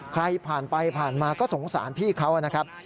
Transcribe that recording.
ใครผ่านไปผ่านมาก็สงสารพี่เขานะครับ